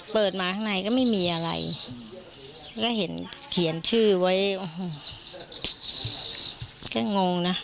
เปิดมาข้างในก็ไม่มีอะไรก็เห็นเขียนชื่อไว้ก็งงนะ